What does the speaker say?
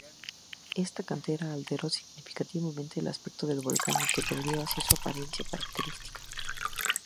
Esta cantera alteró significativamente el aspecto del volcán, que perdió así su apariencia característica.